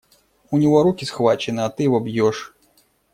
У него руки схвачены, а ты его бьешь.